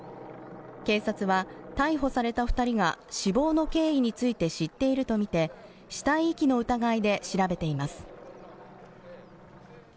警察は逮捕された２人が死亡の経緯について知っているとみて死体遺棄の疑いで調べています。